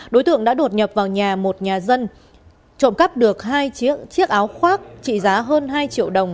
đối tượng đã đột nhập vào nhà một nhà dân trộm cắp được hai chiếc áo khoác trị giá hơn hai triệu đồng